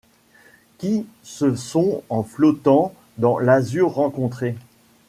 Qui se sont en flottant dans l'azur rencontrés